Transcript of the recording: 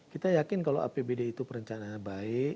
kita yakin kalau apbd itu perencanaannya baik